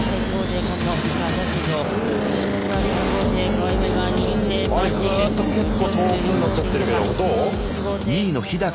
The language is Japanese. あれグーッと結構遠くになっちゃってるけどどう？